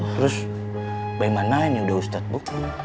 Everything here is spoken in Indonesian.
terus bayi mana ini udah ustadz bu